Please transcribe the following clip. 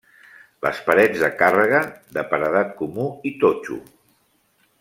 Les parets de càrrega de paredat comú i totxo.